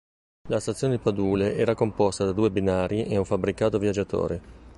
La stazione di Padule era composta da due binari e un fabbricato viaggiatori.